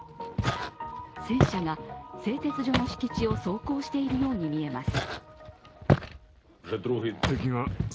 戦車が製鉄所の敷地を走行しているように見えます。